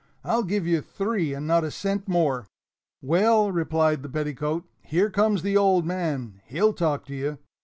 I'll give you three, and not a cent more." "Well," replied the petticoat, "here comes the old man he'll talk to you."